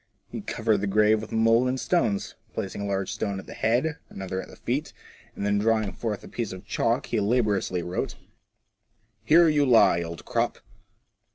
He covered the grave with mould and stones, placing a large stone at the head, another at the feet, and then drawing forth a piece of chalk he laboriously wrote, " Here you lie, Old Crop